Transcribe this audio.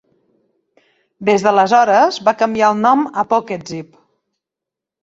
Des d'aleshores, va canviar de nom a PocketZip.